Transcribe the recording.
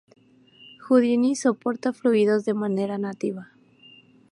Houdini soporta fluidos de manera nativa.